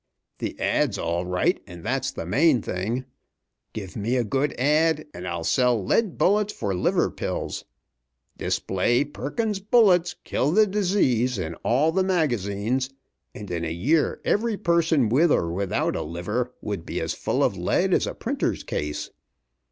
The ad.'s all right, and that's the main thing. Give me a good ad., and I'll sell lead bullets for liver pills. Display 'Perkins's Bullets Kill the Disease' in all the magazines, and in a year every person with or without a liver would be as full of lead as a printer's case.